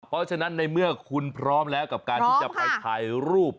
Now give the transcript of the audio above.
เพราะฉะนั้นในเมื่อคุณพร้อมแล้วกับการที่จะไปถ่ายรูป